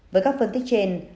với các phân tích trên